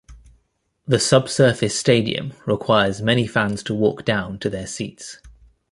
The subsurface stadium requires many fans to walk down to their seats.